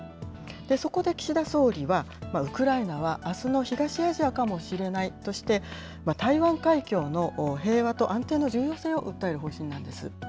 そこで岸田総理は、ウクライナはあすの東アジアかもしれないとして、台湾海峡の平和と安定の重要性を訴える方針なんです。